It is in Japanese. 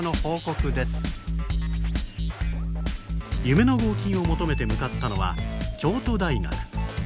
夢の合金を求めて向かったのは京都大学。